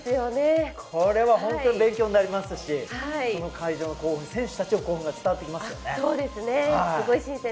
これは本当に勉強になりますし、会場の興奮、選手たちの興奮が伝わってきます。